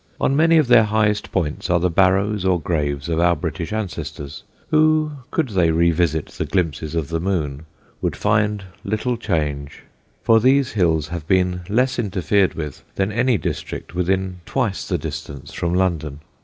On many of their highest points are the barrows or graves of our British ancestors, who, could they revisit the glimpses of the moon, would find little change, for these hills have been less interfered with than any district within twice the distance from London.